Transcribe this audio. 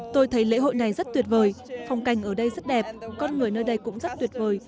tôi thấy lễ hội này rất tuyệt vời phong cảnh ở đây rất đẹp con người nơi đây cũng rất tuyệt vời